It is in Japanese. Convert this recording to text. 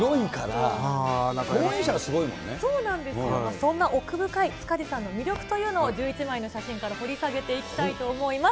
そんな奥深い塚地さんの魅力というのを１１枚の写真から掘り下げていきたいと思います。